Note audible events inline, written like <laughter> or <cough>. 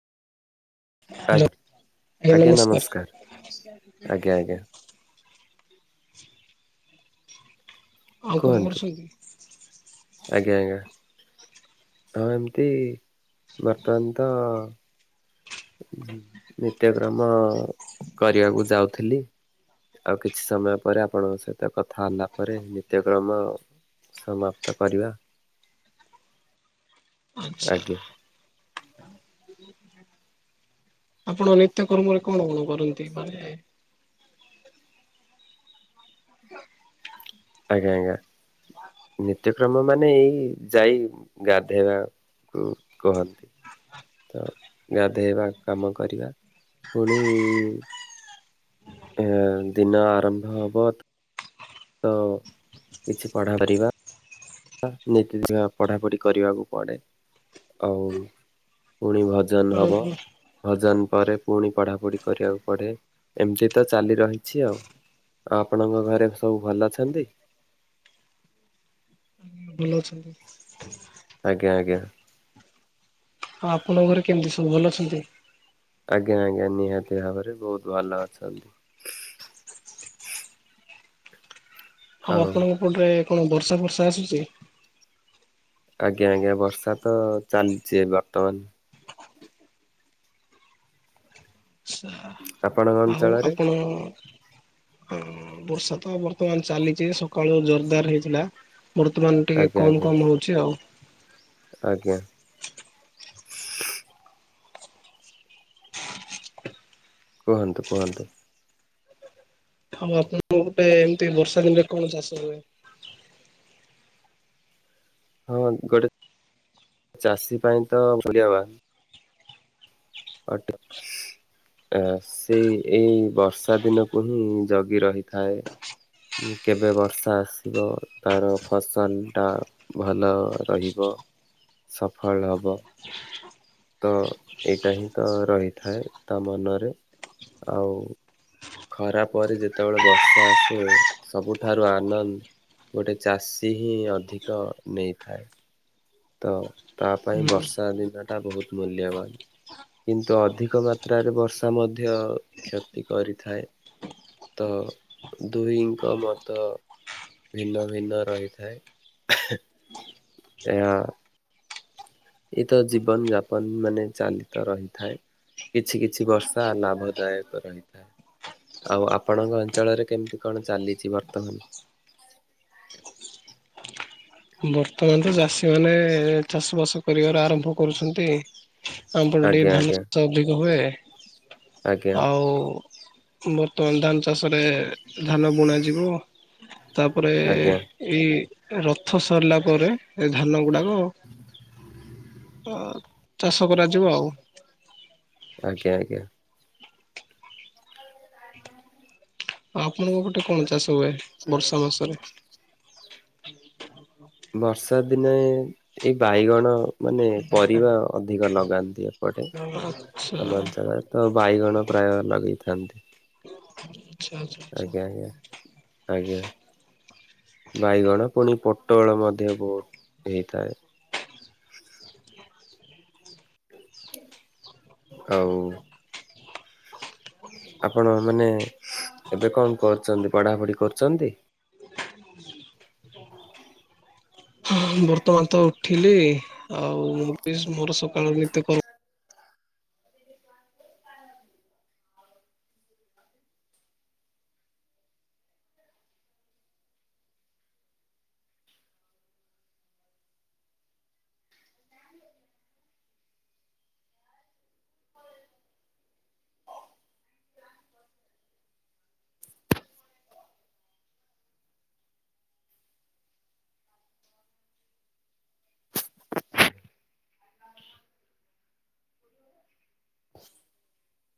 Hello ଆଜ୍ଞା ଆଜ୍ଞା ନମସ୍କାର ଆଜ୍ଞା ଆଜ୍ଞା। ଆଉ କଣ କୁହନ୍ତୁ କରୁଛନ୍ତି? ଆଜ୍ଞା ଆଜ୍ଞା। ହଁ ଏମିତି ବର୍ତ୍ତମାନ ତ ନିତ୍ୟକ୍ରମ କରିବାକୁ ଯାଉଥିଲି। ଆଉ କିଛି ସମୟ ପରେ, ଆପଣଙ୍କ ସହିତ କଥା ହେଲା ପରେ ନିତ୍ୟକ୍ରମ ସମାପ୍ତ କରିବା। ଆଚ୍ଛା ଆଜ୍ଞା। ଆପଣ ନିତ୍ୟ କର୍ମରେ କଣ କଣ କରନ୍ତି? ମାନେ ଆଜ୍ଞା ଆଜ୍ଞା ନିତ୍ୟକ୍ରମ ମାନେ, ଏଇ ଯାଇ ଗାଧେଇବା କୁ କୁହନ୍ତି। ତ ଗାଧୋଇବା କାମ କରିବା, ପୁଣି ହଁ ଦିିନ ଆରମ୍ଭ ହବ ତ ତ କିଛି ପଢ଼ା କରିବା। ନିତି ଯାହା ପଢ଼ାପଢି କରିବାକୁ ପଡ଼େ। ଆଉ ପୁଣି ଭଜନ ହବ। ଓହୋ ଭଜନ ପରେ ପୁଣି ପଢାପଢି କରିବାକୁ ପଡେ, ଏମତି ତ ଚାଲି ରହିଛି ଆଉ। ଆପଣଙ୍କ ଘରେ ସବୁ ଭଲ ଅଛନ୍ତି? ଭଲ ଅଛନ୍ତି ଆଜ୍ଞା ଆଜ୍ଞା। ହଁ ଆପଣଙ୍କ ଘରେ କେମିତି ସବୁ ଭଲ ଅଛନ୍ତି? ଆଜ୍ଞା ନି ନିହାତି ଭାବରେ ବହୁତ ଭଲ ଅଛନ୍ତି। ଆଉ ଆପଣଙ୍କ ପଟରେ କଣ ବର୍ଷା ଫର୍ଷା ଆସୁଚି? ଆଜ୍ଞା ଆଜ୍ଞା ବର୍ଷା ତ ଚାଲଚି ବର୍ତ୍ତମାନ। ଆପଣ ଗନ୍ ହଉ ଆପଣ ହ ବର୍ଷା ତ ବର୍ତ୍ତମାନ ଚାଲିଚି ସକାଳୁ ଜୋରଦାର ହେଇଥିଲା। ବର୍ତ୍ତମାନ ଟିକେ ଆଜ୍ଞା କମ ଆଜ୍ଞା କମ ହଉଚି ଆଉ। ଆଜ୍ଞା। କୁହନ୍ତୁ କୁହନ୍ତୁ। ହଉ ଆପଣଙ୍କ ଗୋଟେ ଏମିତି ବର୍ଷା ଦିନରେ କଣ ଚାଷ ହୁଏ? ହଁ ଗୋଟେ ଚାଷୀ ପାଇଁ ତ ମୂଲ୍ୟବାନ। ଅଟ ଆ ସେଇ ଏଇ ବର୍ଷା ଦିନକୁ ହିଁ ଜଗି ରହିଥାଏ। କେବେ ବର୍ଷା ଆସିବ ତାର ଫସଲ ଟା ଭଲ ରହିବ। ସଫଳ ହବ। ତ ଏଇଟା ହିଁ ତ ରହିଥାଏ ତା ମନରେ ଆଉ ଖରା ପରେ ଯେତେବେଳେ ବର୍ଷା ଆସେ ସବୁଠାରୁ ଆନନ୍ଦ ଗୋଟେ ଚାଷୀ ହିଁ ଅଧିକ ନେଇଥାଏ। ତ ତା ପାଇଁ ବର୍ଷା ଦିନ ଟା ବହୁତ ମୂଲ୍ୟବାନ। କିନ୍ତୁ ଅଧିକ ମାତ୍ରାରେ ବର୍ଷା ମଧ୍ୟ କ୍ଷତି କରିଥାଏ। ତ ଦୁହିଁଙ୍କ ମତ ଭିନ୍ନ ଭିନ୍ନ ରହିଥାଏ ଏ ଆ ଏଇ ତ ଜୀବନ ଯାପନ ମାନେ ଚାଲିତ ରହିଥାଏ। କିଛି କିଛି ବର୍ଷା ଲାଭଦାୟକ ରହିଥାଏ। ଆଉ ଆପଣଙ୍କ ଅଞ୍ଚଳରେ କେମିତି କଣ ଚାଲିଛି ବର୍ତ୍ତମାନ ବର୍ତ୍ତମାନ ତ ଚାଷୀ ମାନେ ଚାଷ ବାସ କରିବାର ଆରମ୍ଭ କରୁଛନ୍ତି। ଆମ୍ବ ବିଲରେ ଆଜ୍ଞା ଧାନ ଆଜ୍ଞା ଚାଷ ଅଧିକ ହୁଏ ଆଜ୍ଞା ଆଉ ବର୍ତ୍ତମାନ ଧାନ ଚାଷରେ ଧାନ ବୁଣାଯିବ। ତାପରେ ଆଜ୍ଞା ଏଇ ରଥ ସରଲା ପରେ ଏ ଧାନ ଗୁଡାକ ଅ ଚାଷ କରାଯିବ ଆଉ। ଆଜ୍ଞା ଆଜ୍ଞା। ଆପଣଙ୍କ ପଟେ କଣ ଚାଷ ହୁଏ ବର୍ଷା ମାସରେ ବର୍ଷା ଦିନେ ଏଇ ବାଇଗଣ ମାନେ ପରିବା ଅଧିକ ଲଗାନ୍ତି ଏପ <unintelligible> ଆମ ଆଚ୍ଛା ଅଞ୍ଚଳରେ ତ ବାଇଗଣ ପ୍ରାୟ ଲଗେଇଥାନ୍ତି। ଆଚ୍ଛା ଆଚ୍ଛା ଆଜ୍ଞା ଆଜ୍ଞା ଆଜ୍ଞା। ବାଇଗଣ ପୁଣି ପୋଟଳ ମଧ୍ୟ ବହୁତ ହେଇଥାଏ। ଆଉ ଆପଣ ମାନେ ଏବେ କଣ କରୁଚନ୍ତି ପଢାପଢି କରୁଚନ୍ତି? ନାଇ ବର୍ତ୍ତମାନ ତ ଉଠିଲି ଆଉ ମୁଁ ବି ମୋର ସକାଳ ନିର୍ତ କର୍ମ